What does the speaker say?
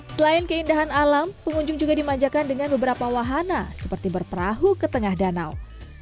selain keindahan alam pengunjung juga dimanjakan dengan beberapa wahana seperti berperahu ke tengah danau